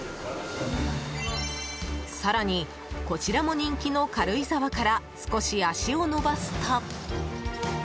更に、こちらも人気の軽井沢から少し足を伸ばすと。